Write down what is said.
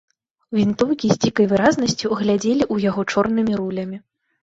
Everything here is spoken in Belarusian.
Вінтоўкі з дзікай выразнасцю глядзелі ў яго чорнымі рулямі.